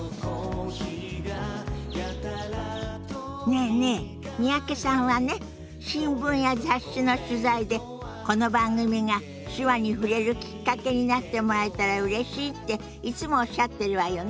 ねえねえ三宅さんはね新聞や雑誌の取材でこの番組が手話に触れるきっかけになってもらえたらうれしいっていつもおっしゃってるわよね。